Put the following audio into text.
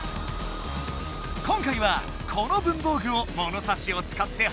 今回はこの文房具をものさしをつかってはこぶぞ。